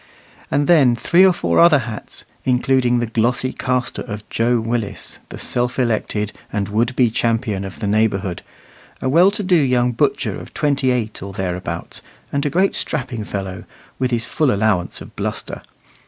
And then three or four other hats, including the glossy castor of Joe Willis, the self elected and would be champion of the neighbourhood, a well to do young butcher of twenty eight or thereabouts, and a great strapping fellow, with his full allowance of bluster.